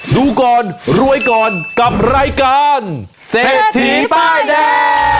ดูก่อนรวยก่อนกับรายการเศรษฐีป้ายแดง